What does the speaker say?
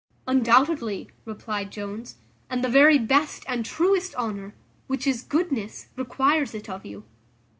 "Undoubtedly," replied Jones, "and the very best and truest honour, which is goodness, requires it of you.